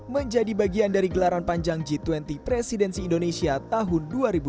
menjadi bagian dari gelaran panjang g dua puluh presidensi indonesia tahun dua ribu dua puluh